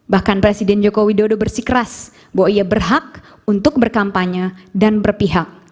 bahkan presiden joko widodo bersikeras bahwa ia berhak untuk berkampanye dan berpihak